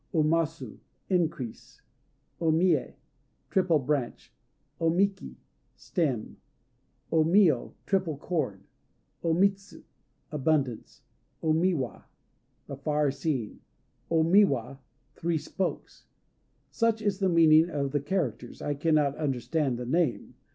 O Masu "Increase." O Mië "Triple Branch." O Miki "Stem." O Mio "Triple Cord." O Mitsu "Abundance." O Miwa "The Far seeing." O Miwa "Three Spokes" (?). Such is the meaning of the characters. I cannot understand the name.